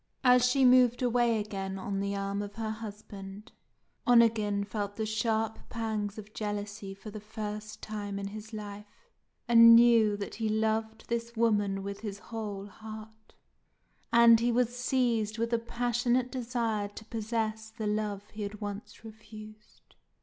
As she moved away again on the arm of her husband, Onegin felt the sharp pangs of jealousy for the first time in his life, and knew that he now loved this woman with his whole heart; and he was seized with a passionate desire to possess the love he had once refused.